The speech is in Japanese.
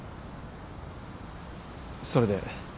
それで？